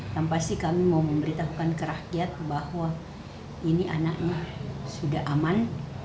yang pasti kami mau memberitahukan ke rakyat bahwa ini anaknya sudah aman